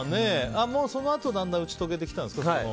そのあとだんだん打ち解けてきたんですか？